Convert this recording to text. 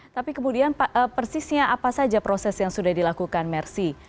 tapi kemudian persisnya apa saja proses yang sudah dilakukan mersi